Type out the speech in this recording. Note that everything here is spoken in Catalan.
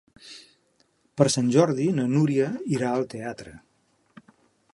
Per Sant Jordi na Núria irà al teatre.